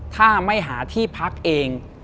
ถ้าไม่หาที่พักเอง